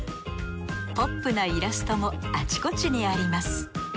ポップなイラストもあちこちにあります。